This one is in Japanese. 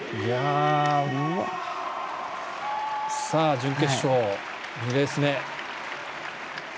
準決勝、２レース目。